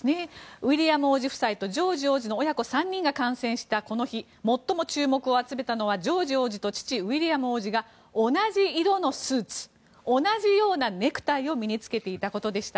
ウィリアム王子夫妻とジョージ王子の親子３人が観戦したこの日最も注目されたのはジョージ王子と父ウィリアム王子が同じ色のスーツ同じようなネクタイを身に着けていたことでした。